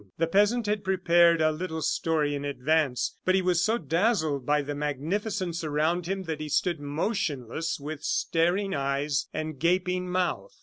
The peasant had prepared a little story in advance, but he was so dazzled by the magnificence around him that he stood motionless with staring eyes and gaping mouth.